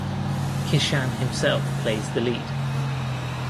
Kishan himself plays the lead.